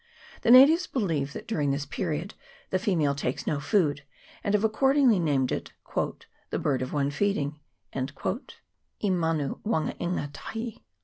The natives believe that during this period the female takes no food, and have accordingly named it " the bird of one feeding" (e manu wangainga tahi).